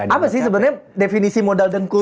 apa sih sebenernya definisi modal dengkul